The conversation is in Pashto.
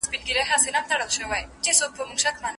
که ته په املا کي حوصله ولرې نو بریالی کېږې.